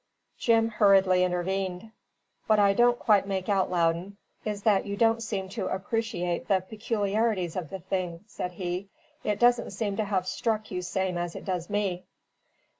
Jim hurriedly intervened. "What I don't quite make out, Loudon, is that you don't seem to appreciate the peculiarities of the thing," said he. "It doesn't seem to have struck you same as it does me."